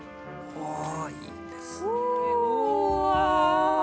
おいいですね。